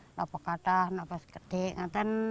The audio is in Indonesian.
tidak ada kata tidak ada sepeda